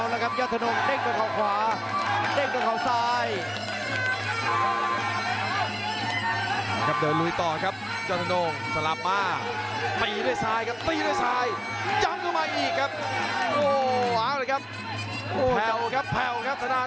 อ้าวแล้วครับยอดทนงเด็กกับเขาขวา